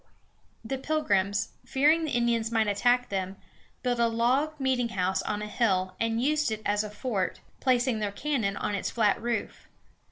The Pilgrims, fearing the Indians might attack them, built a log meetinghouse on a hill, and used it as a fort, placing their cannon on its flat roof.